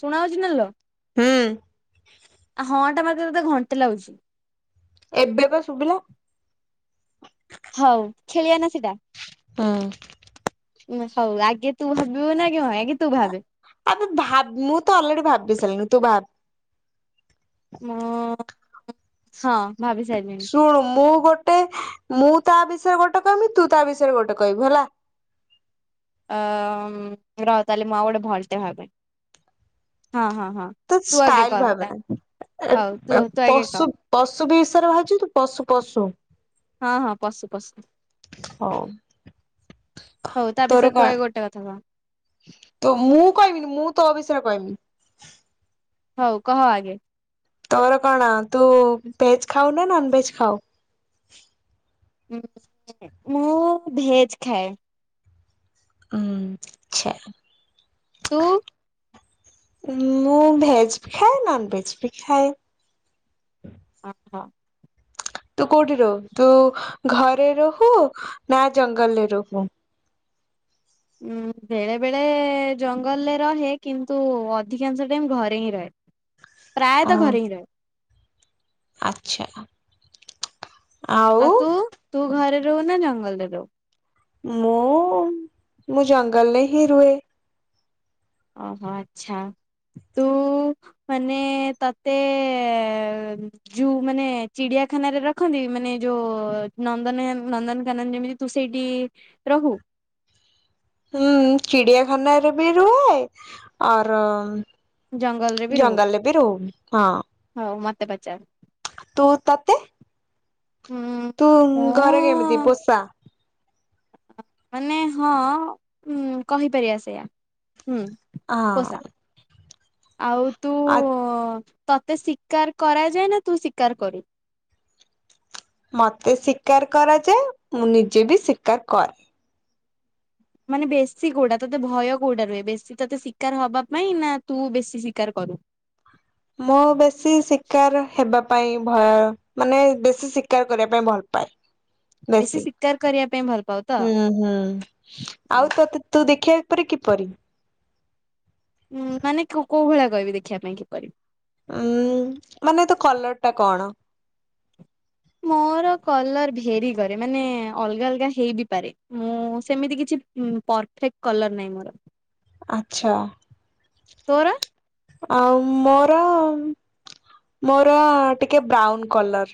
ଶୁଣା ହଉଛି ନାଲୋ। ହୁଁ ଆ ହଁ ଟା ମାରିଦେଲେ ତୋତେ ଘଣ୍ଟେ ଲାଗୁଛି। ଏବେ ପା ଶୁବିଲା ହଉ ଖେଳିବା ନା ସେଟା ହୁଁ। ହଉ ଆଗେ ତୁ ଭାବିବୁ ନା କି ହଁ ଏକି ତୁ ଭାବେ ଆବେ ଭାବ ମୁଁ ତ ଅଲରେଡି ଭାବି ସାରିଲିଣି ତୁ ଭାବେ ମୁଁ ହଁ ଭାବି ସାରିଲିଣି ଶୁଣୁ ମୁଁ ଗୋଟେ ମୁଁ ତା ବିଷୟରେ ଗୋଟେ କହିମି ତୁ ତା ବିଷୟରେ ଗୋଟେ କହିବୁ ହେଲା ଅ ଉଁ ର ତାହଲେ ମୁଁ ଆଉଗୋଟେ ଭଲଟେ ଭାବେ ହଁ ହଁ ହଁ ତ ତୁ ଆଗେ ଷ୍ଟାଇଲ କହ ଭାବେ ତା ହଉ ତୁ ନାହିଁ ତୁ ଆଗେ କହ ପଶୁ ପଶୁ ବିଷୟରେ ଭାବୁଛି ତୁ ପଶୁ ପଶୁ ହଁ ହଁ ପଶୁ ପଶୁ ହଉ ହଉ ତା ତୋର ବିିଷୟରେ ତୁ କଣ ଆଗେ ଗୋଟେ କଥା କହ ତ ମୁଁ କହିବିନି ମୁଁ ତୋ ବିଷୟରେ କହିମି ହଉ କହ ଆଗେ ତୋର କଣ ତୁ ଭେଜ ଖାଉ ନା ନନ୍ ଭେଜ ଖାଉ ମୁଁ ଭେଜ୍ ଖାଏ। ଉଁ ଆଛା ତୁ ମୁଁ ଭେଜ ବି ଖାଏ ନନ୍ ଭେଜ ବି ଖାଏ। ଆଠ ତୁ କୋଉଠି ରହୁ ତୁ ଘରେ ରହୁ ନା ଜଙ୍ଗଲରେ ରହୁ ଉଁ ବେଳେ ବେଳେ ଜଙ୍ଗଲରେ ରହେ କିନ୍ତୁ ଅଧିକାଂଶ ଟାଇମ୍ ଘରେ ହିଁ ରହେ। ଓ ପ୍ରାୟତଃ ଘରେ ହିଁ ରହେ। ଆଚ୍ଛା ଆଉ ତୁ ତୁ ଘରେ ରହୁ ନା ଜଙ୍ଗଲରେ ରହୁ ମୁଁ ମୁଁ ଜଙ୍ଗଲରେ ହିଁ ରୁହେ। ଓହୋ ଆଚ୍ଛା ତୁ ମାନେ ତତେ ଜୁ ମାନେ ଚିଡିଆଖାନାରେ ରଖନ୍ତି ମାନେ ଯୋଉ ନନ୍ଦନ ନନ୍ଦନକାନନ ଯେମିତି ତୁ ସେଇଟି ରହୁ। ହୁଁ ଚିଡିଆଖାନାରେ ବି ରୁହେ। ଆର ଜଙ୍ଗଲରେ ବି ରହୁ ଜଙ୍ଗଲରେ ବି ରହୁ ହଁ। ହଉ ମତେ ପଚାର। ତୁ ତତେ। ଉଁ ତୁ ଘରେ କେମିତି ମୁଁ ପୋଷା? ମାନେ ହଁ କହିପାରିବା ସେଇୟା ହୁଁ ହଁ ପୋଷା। ଆଉ ତୁ। ଆ ଓ ତତେ ଶିକାର କରାଯାଏ ନା ତୁ ଶିକାର କରୁ? ମତେ ଶିକାର କରାଯାଏ ମୁଁ ନିଜେବି ଶିକାର କରେ ମାନେ ବେଶୀ କୋଉଟା ତୋତେ ଭୟ କୋଉଟା ରୁହେ ବେଶୀ ତୋତେ ଶିକାର ହବା ପାଇଁ ନା ତୁ ବେଶୀ ଶିକାର କରୁ? ମୁଁ ବେଶୀ ଶିକାର ହେବା ପାଇଁ ଭୟ ମାନେ ବେଶୀ ଶିକାର କରିବା ପାଇଁ ଭଲ ପାଏ। ବେଶୀ ଶିକାର କରିବା ପାଇଁ ଭଲ ପାଉ ତ? ହୁଁ ହୁଁ ଆଉ ତତେ ତୁ ଦେଖିବା ପରେ କିପରି? ହୁଁ ମାନେ କୋଉ ଭଳିଆ କହିବି ଦେଖିବା ପାଇଁ କିପରି। ଉଁ ମାନେ ତୋ କଲରଟା କଣ? ମୋର କଲର୍ ଭେରି କରେ ମାନେ ଅଲଗା ଅଲଗା ହେଇ ବିି ପାରେ ମୁଁ ସେମିତି କିଛି ହୁଁ ପରଫେକ୍ଟ କଲର ନାହିଁ ମୋର ଆଚ୍ଛା। ତୋର। ଆଉ ମୋର ମୋର ଟିକେ ବ୍ରାଉନ କଲର।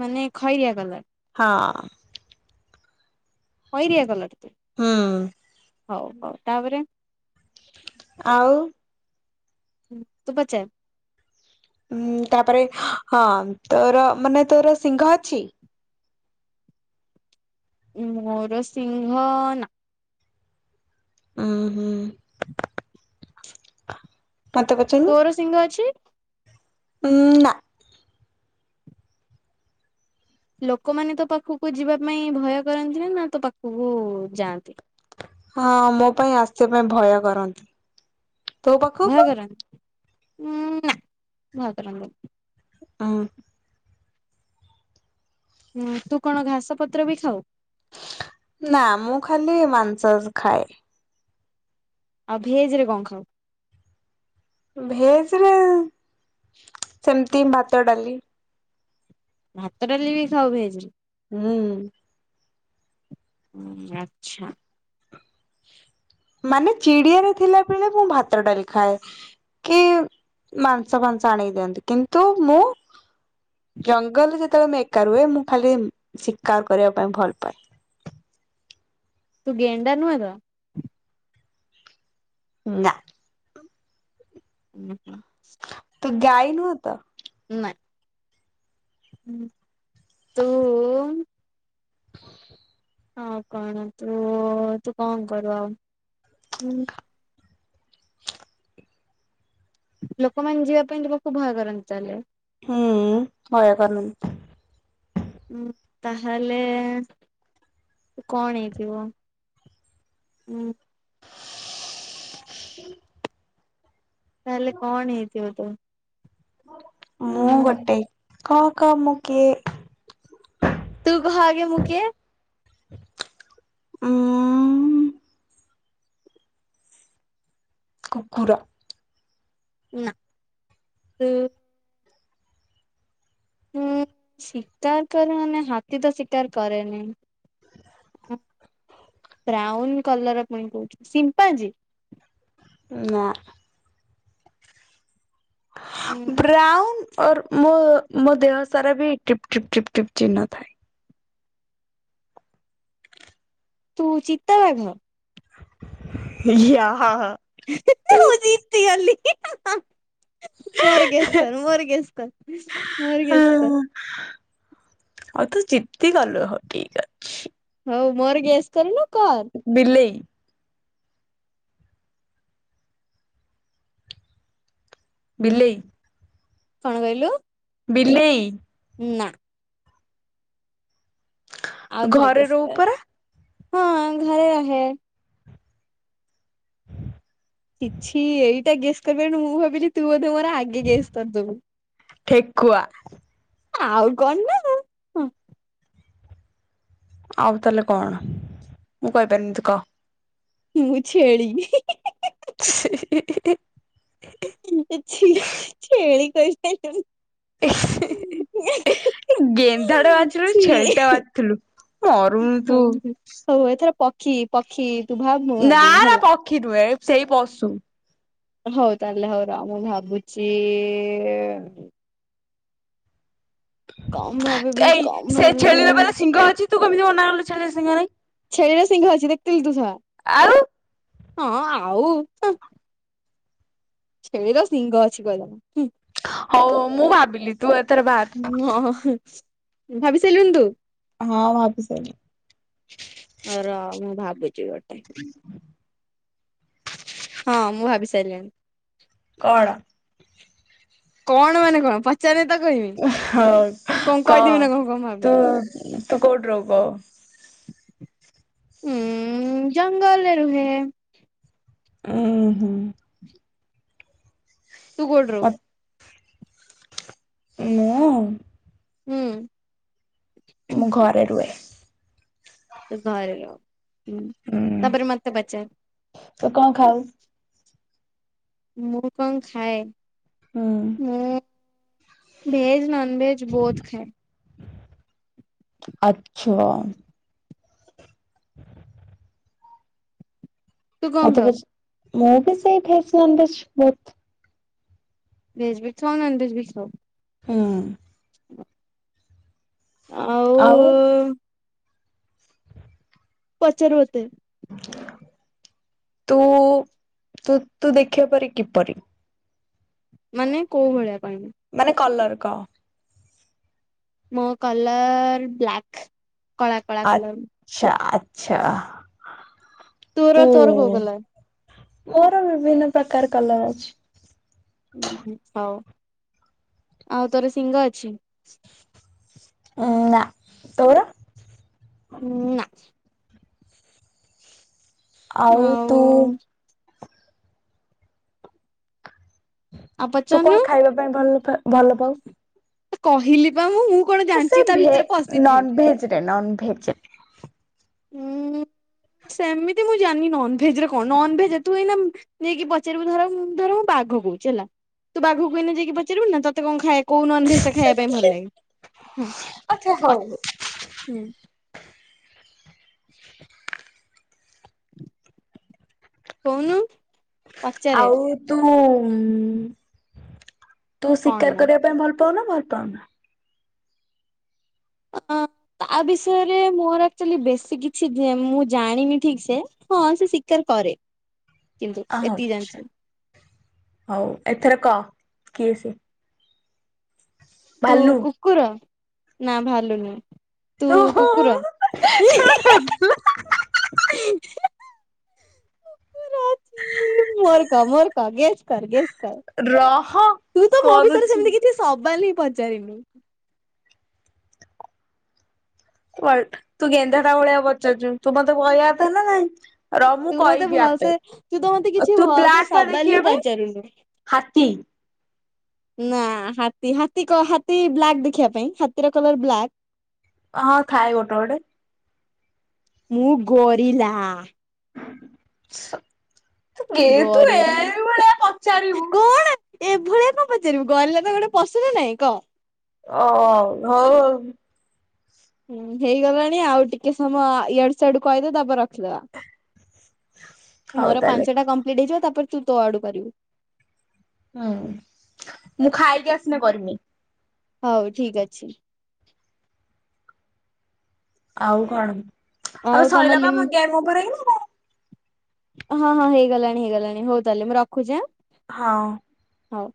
ମାନେ ଖଇରିଆ କଲର। ହଁ। ଖଇରିଆ କଲର୍? ହୁଁ। ହଉ ହଉ ତାପରେ। ଆଉ। ତୁ ପଚାର। ଉଁ ତାପରେ ହଁ ତୋର ମାନେ ତୋର ସିଂଘ ଅଛି? ମୋର ଶିଘଂ ନା। ଉଁ ହୁଁ ମତେ ପଚାରୁନୁ। ସିଂଘ ଅଛି। ଉଁ ନା। ଲୋକମାନେ ତୋ ପାଖକୁ ଯିବା ପାଇଁ ଭୟ କରନ୍ତିନା ନା ତୋ ପାଖକୁ ଯାଆନ୍ତି? ହଁ ମୋ ପାଇଁ ଆସିବା ପାଇଁ ଭୟ କରନ୍ତି। ତୋ ପାଖକୁ ଭୟକର ଉଁ ନା ଭୟକରନ୍ତି। ଉଁ ହୁଁ, ତୁ କଣ ଘାସ ପତ୍ର ବି ଖାଉ? ନା ମୁଁ ଖାଲି ମାଂସସ୍ ଖାଏ। ଆଉ ଭେଜରେ କଣ ଖାଉ? ଭେଜ ରେ ସେମିତି ଭାତ ଡାଲି। ଭାତ ଡାଲି ବି ଖାଉ ଭେଜରେ? ହୁଁ। ଆଚ୍ଛା। ମାନେ ଚିଡିଆରେ ଥିଲା ବେଳେ ମୁଁ ଭାତ ଡାଲି ଖାଏ। କି ମାଂସ ଫାଂସ ଆଣିକି ଦିଅନ୍ତି କିନ୍ତୁ ମୁଁ। ଜଙ୍ଗଲରେ ଯେତେବେଳେ ମୁଁ ଏକା ରହେ ମୁଁ ଖାଲି ଶିକାର କରିବା ପାଇଁ ଭଲ ପାଏ। ଗେଣ୍ଡା ନୁହେଁ ତ? ନା। ହୁଁ ହୁଁ। ତୁ ଗାଈ ନୁହ ତ। ନାଁ। ତୁ ହଁ କଣ ତୁ ତୁ କଣ କରୁ ଆଉ? ଲୋକମାନେ ଯିବା ପାଇଁ ତୁମକୁ ଭୟ କରନ୍ତି ଚାଲେ ହୁଁ ଭୟ କରନ୍ତି। ଉଁ ତାହେଲେ କଣ ହେଇଥିବ? ହୁଁ। ତାହେଲେ କଣ ହେଇଥିବ ତୁ। ମୁଁ ଉଁ ଗୋଟେ କ କ ମୁ କିଏ? ତୁ କହ ଆଗେ ମୁ କିଏ? ଉଁ। କୁକୁର। ନା ତୁ। ହୁଁ ଶିକାର କରେ ମାନେ ହାତୀ ତ ଶିକାର କରେନି। ବ୍ରାଉନ କଲର ପୁଣି କହୁଚୁ ସିମ୍ପାଜି। ନା ବ୍ରାଉନ୍ ଓର ମୁ ମୋ ଦେହ ସାରା ବି ପ ଟିପ୍ ପ୍ ଟିପ୍ ଚିହ୍ନ ଥାଏ। ତୁ ଚିତ୍ତା ବାଘ ଯିଆ ହ [unintelligible] ମୁଁ ଜିତି ଗଲି [unintelligible] ମୋରଗେସ୍ କର ମୋରଗେସ୍ କର ମୋରଗେସ୍ କର? ଆଉ ତୁ ଜିତି ଗଲୁ ହଉ ଠିକ ଅଛି। ହଉ ମୋର ଗେସ୍ କରୁନୁ କର? ବିଲେଇ ବିଲେଇ କଣ କହିଲୁ? ବିଲେଇ ନା ତୁ ଆଉଥରେ ଘରେ ଗେସ ରହୁ କର ପରା ହଁ ଘରେ ରହେ। କିଛି ଏଇଟା ଗେସ କରିପାରିବୁନି ମୁଁ ଭାବିଲି ତୁ ବୋଧେ ମୋର ଆଗେ ଗେସ କରିଦେବୁ। ଠେକୁଆ ଆଉ କଣ ନା ହଁ ଆଉ ତାହେଲେ କଣ ମୁଁ କହିପାରିବିନି ତୁ କହ? ମୁଁ ଛେଳି ହିଁ ହିଁ। ଛି ଛି ଛେଳି କହିପାରିଲୁନି ଏହେ। ଗେନ୍ଧାଡେ ବାଜିଲୁ ଛେଳିଟା ବାଜିିଥିଲୁ ମରୁନୁ ତୁ। ହଉ ହଉ ଏଥର ପକ୍ଷୀ ପକ୍ଷୀ ତୁ ଭାବ ମୁଁ ନା ଭାବିବି ନା ହେଲା ପକ୍ଷୀ ନୁହେଁ ସେଇ ପଶୁ ହଉ ତାହେଲେ ହଉ ର ଆଉ ମୁଁ ଭାବୁଛି କମ ଭା ଏଇ ସେ ଛେଳିର ପା ସିଂଘ ଅଛି ତୁ କେମିତି ମନା କଲୁ ଛେଳିର ସିଂଘ ନାଇଁ। ଛେଳିର ସିଂଘ ଅଛି ଦେଖିଥିଲି ତୁ ଆଉ ସଳା ହଁ ଆଉ ଛେଳିର ସିଂଘ ଅଛି କହିଦେଲା ହୁଁ। ହଉ ହଉ ମୁଁ ଭାବିଲି ତୁ ଏଥର ଭାବେ ହଁ ଭାବି ସାରିଲୁଣି ତୁ? ହଁ ଭାବୀ ସାରିଲିଣୀ। ର ମୁଁ ଭାବିଛି ଗୋଟେ। [inaudible] ହଁ ମୁଁ ଭାବି ସାରିଲିଣି। କଣ? କଣ ମାନେ କଣ ପଚାରିଲେ ତ ହଉ କହିବି କଣ କହ। କହିଦେବି ନା କଣ କଣ ତୁ ଭାବିଲି। ତୁ କୋଉଠି ରହୁ କହ? ହୁଁ ଜଙ୍ଗଲରେ ରୁହେ। ଉଁ ହୁଁ। ତୁ କୋଉଠି ରହୁ? ମତେ ମୁଁ ହୁଁ ମୁଁ ଘରେ ରୁହେ। ତୁ ଘରେ ରହୁ ହୁଁ ହୁଁ। ତାପରେ ମତେ ପଚାର ତୁ କଣ ଖାଉ? ମୁଁ କଣ ଖାଏ? ହୁଁ ମୁଁ ଭେଜ ନନ ଭେଜ ବୋଥ୍ ଖାଏ। ଆଚ୍ଛା ତୁ କଣ ମତେ ଖାଉ ପଚ ମୁଁ ବି ସେଇଠି [unintelligible] ଭେଜ୍ ବୁ ଖାଉ ନନ୍ ଭେଜ ବି ଖାଊ। ହୁଁ। [inaudible] ଆଉ ପଚାର ମୋତେ। ତୁ ତୁ ତୁ ଦେଖିବା ପରି କିପରି? ମାନେ କୋଉ ଭଳିଆ ପାଇଁ? ମାନେ କଲର କହ। ମୋ କଲର ବ୍ଲାକ୍ କଳା କଳା କଲର। ଆଛା ଆଚ୍ଛା ତୋର ତୋ ତୋର କୋଉ କଲର ମୋର ବିଭିନ୍ନ ପ୍ରକାର କଲର ଅଛି। ଉଁ ହୁଁ ହଉ ଆଉ ତୋର ଶିଂହ ଅଛି? ଉଁ ନା ତୋର? ଉଁ ନା। ଆଉ ତୁ ଆଉ ତୁ ପଚାରୁନୁ କଣ ଖାଇବା ପାଇଁ ଭଲ ଭଲ ପାଉ? କହିଲି ପା ମୁଁ ମୁଁ। କଣ ସେ ଜାଣିଛି ତା ଭେ ଭିତରେ ପଶିଛି ନନ ଭେଜ ରେ ନନ ଭେଜରେ। ଉଁ ସେମିତି ମୁଁ ଜାଣିନି ନନଭେଜ ରେ କଣ ନନଭେଜ ତୁ ଏଇନା ଯାଇକି ପଚାରିବୁ ଧର ଧର ମୁଁ ବାଘ କହୁଛି ହେଲା ତୁ ବାଘକୁ ଏଇନା ଯାଇକି ପଚାରିବୁ ନା ତତେ କଣ ଖାଇବା କୋଉ ନନ ଭେଜ୍ ଟା ଖାଇବା ପାଇଁ ଭଲ ଲାଗେ ଆଚ୍ଛା ହଉ [inaudible] କହୁନୁ। ପଚାରେ ଆଉ ତୁ ତୁ କଣ ଶିକାର ମୁଁ କରିବା ପାଇଁ ଭଲ ପାଉନା ଭଲ ପାଉନା? ଅ ତା ବିଷୟରେ ମୋର ଆଚୁଲି ବେଶୀ କିଛି ମୁଁ ଜାଣିନି ଠିକ ସେ। ହଁ ସେ ଶିକାର୍ କରେ। କିନ୍ତୁ ଆହା ଓ ଏତିକି ଆଛା ଜାଣିଛି। ହଉ ଏଥର କହ କିଏ ସେ? ତୁ ଭାଲୁ? କୁକୁର ନା ଭାଲୁନୁ? ତୁ କୁକୁର ଇ ହିଁ ହିଁ ହିଁ ଇଁ ହିଁ କୁକୁର ଅଛି ମୋର କ ମୋର କ ଗେସ୍ କର୍ ଗେସ୍ କର୍। ରହ। ତୁ ତ ମୋ ବିଷୟରେ କରୁଛି ସେମିତି କିଛି ସବାଲ୍ ହି ପଚାରିନୁ। ତୁ ଗେନ୍ଧାଟା ଭଳିଆ ପଚାରୁଛୁ ତୁ ମତେ କହିଆ କଥା ନା ନାଇଁ। ର ମୁଁ ତୁ ମତେ କହିବି ଭଲସେ ଆପେ ତୁ ତ ମତେ କିଛି ତୁ ଭଲସେ ବ୍ଲାକ୍ ପା ସବାଲ ହିଁ ଦେଖିବା ପାଇଁ। ପଚାରୁନୁ। ହାତୀ। ନା ହାତୀ ହାତୀ କହ ହାତୀ ବ୍ଲାକ୍ ଦେଖିବା ପାଇଁ ହାତୀର କଲର ବ୍ଲାକ୍। ହଁ ଥାଏ ଗୋଟେ ଗୋଟେ। ମୁଁ ଗରିଲା ଆ। ସ ଗେ ତୁ ଗରିଲା ଏଇ ଭଳିଆ ପଚାରିବୁ କଣ ଏଭଳିଆ କଣ ପଚାରିବୁ ଗରିଲା ତ ଗୋଟେ ପଶୁ ନା ନାଇଁ କ? ଓ ହଉ ହଉ। ହୁଁ ହେଇଗଲାଣି ଆଉ ଟିକେ ସମୟ ୟୁଆଡୁ ସିଆଡୁ କଇ ଦେ ତାପରେ ରଖିଦବା। ହଉ ମୋର ତାହେଲେ ପାଞ୍ଚ ଟା କମ୍ପ୍ଲିଟ୍ ହେଇଯିବ ତାପରେ ତୁ ତୋ ଆଡୁ କରିବୁ। ହୁଁ ମୁଁ ଖାଇକି ଆସିନେ କରିମି। ହଉ ଠିକ୍ ଅଛି। ଆଉ କଣ ଆଲୋ ଆଉ ତମ ସଇଲା ବା ଲିମ୍ ମୋ ଗେମ୍ ଓଭର ହେଇନି? ହଁ ହଁ ହେଇଗଲାଣି ହେଇଗଲାଣି ହଉ ତାହେଲେ ମୁଁ ରଖୁଚି ଆଁ। ହଁ। ହଉ।